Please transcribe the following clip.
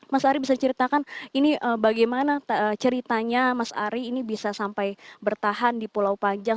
mas ari bisa ceritakan ini bagaimana ceritanya mas ari ini bisa sampai bertahan di pulau panjang